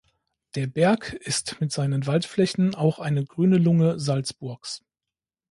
Der Berg ist mit seinen Waldflächen auch eine „Grüne Lunge“ Salzburgs.